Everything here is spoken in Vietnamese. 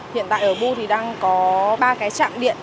hiện tại ở bu thì đang có ba cái chạm điện